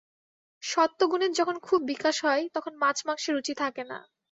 সত্ত্বগুণের যখন খুব বিকাশ হয়, তখন মাছ-মাংসে রুচি থাকে না।